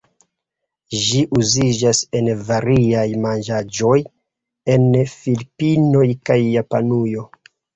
Ĝi uziĝas en variaj manĝaĵoj en Filipinoj kaj Japanujo.